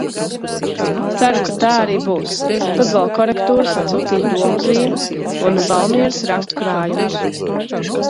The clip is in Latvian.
Ceru, ka tā arī būs. Tad vēl korektūras atsūtīja "Domuzīme" un Valmieras rakstu krājumus.